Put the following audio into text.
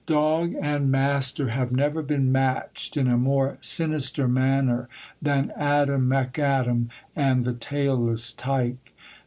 Dog and master have never been matched in a more sinister manner than Adam McAdam and the Tailless Tyke.